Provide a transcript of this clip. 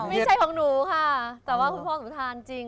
ไม่ใช่ของหนูค่ะแต่ว่าคุณพ่อหนูทานจริง